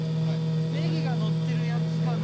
ネギが載ってるやつが生？